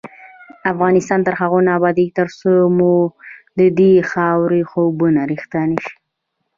افغانستان تر هغو نه ابادیږي، ترڅو مو ددې خاورې خوبونه رښتیا نشي.